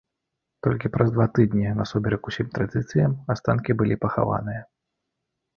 Толькі праз два тыдні, насуперак усім традыцыям, астанкі былі пахаваныя.